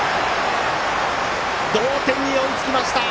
同点に追いつきました。